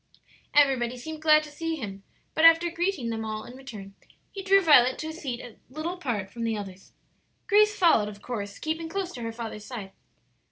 Everybody seemed glad to see him; but after greeting them all in turn, he drew Violet to a seat a little apart from the others. Grace followed, of course, keeping close to her father's side.